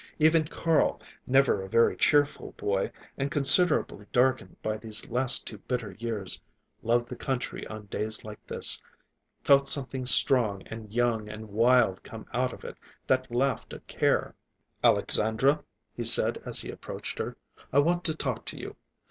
Even Carl, never a very cheerful boy, and considerably darkened by these last two bitter years, loved the country on days like this, felt something strong and young and wild come out of it, that laughed at care. "Alexandra," he said as he approached her, "I want to talk to you.